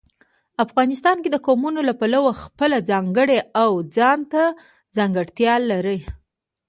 افغانستان د قومونه له پلوه خپله ځانګړې او ځانته ځانګړتیا لري.